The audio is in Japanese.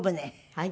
はい。